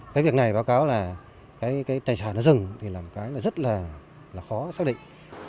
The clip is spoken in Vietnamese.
cái việc này báo cáo là cái tài sản nó rừng thì là một cái là rất là khó xác định